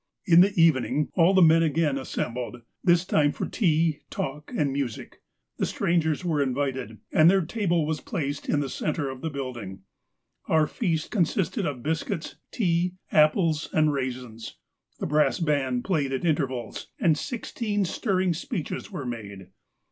"In the evening all the men again assembled, this time for tea, talk, and music. The strangers were invited, and their table was placed in the centre of the building. Our feast con sisted of biscuits, tea, apples, and raisins. The brass band played at intervals, and sixteen stirring speeches were made.